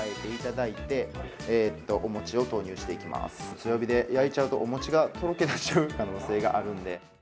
強火で焼いちゃうと、お餅がとろけ出ちゃう可能性があるので。